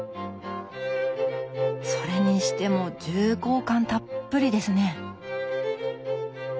それにしても重厚感たっぷりですね。